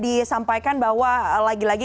disampaikan bahwa lagi lagi